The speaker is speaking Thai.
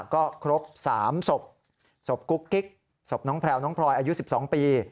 ก็ครบ๓ศพศพกุ๊กกิ๊กศพน้องแพลวน้องพลอยอายุ๑๒ปี